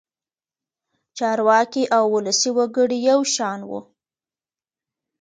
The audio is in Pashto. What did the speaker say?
چارواکي او ولسي وګړي یو شان وو.